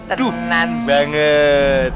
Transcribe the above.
aduh tenang banget